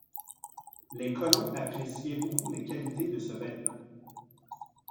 Les colons appréciaient beaucoup les qualités de ce vêtement.